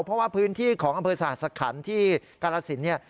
เพราะว่าพื้นที่ของอำเภอสหสคันที่กาลสินเนี่ย